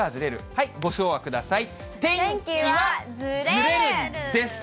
はい、ご唱和ください。